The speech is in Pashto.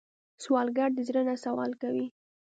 سوالګر د زړه نه سوال کوي